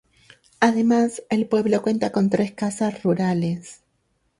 Además el pueblo cuenta con tres casas rurales.